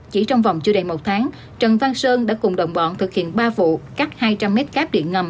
chỉ trong vòng chưa đầy một tháng trần văn sơn đã cùng đồng bọn thực hiện ba vụ cắt hai trăm linh m cáp điện ngầm